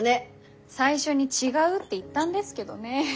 最初に違うって言ったんですけどね。